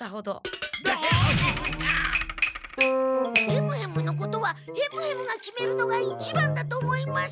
ヘムヘムのことはヘムヘムが決めるのが一番だと思います。